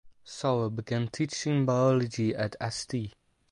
Sauer began teaching biology at St.